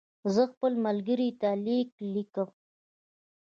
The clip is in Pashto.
زه خپل ملګري ته لیک لیکم.